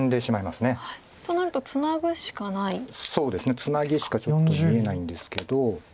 ツナギしかちょっと見えないんですけど。